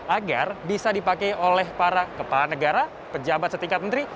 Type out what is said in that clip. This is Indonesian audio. agar bisa dipakai oleh para kepala negara pejabat setingkat menteri